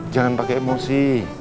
jangan pakai emosi